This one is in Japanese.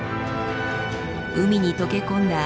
海に溶け込んだ